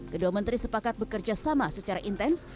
kedua menteri sepakat bekerja sama secara intens